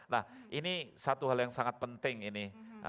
nah ini satu hal yang sangat penting ini